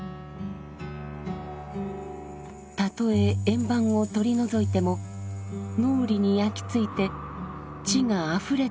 たとえ円盤を取り除いても脳裏に焼き付いて地があふれているように感じるといいます。